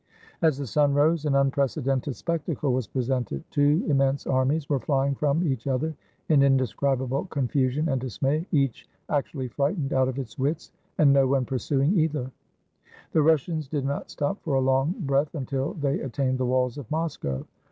As the sun rose, an unprecedented spectacle was pre sented. Two immense armies were flying from each other in indescribable confusion and dismay, each actu ally frightened out of its wits, and no one pursuing either! 43 RUSSIA The Russians did not stop for a long breath until they attained the walls of Moscow.